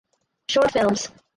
Short films